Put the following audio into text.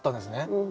うん。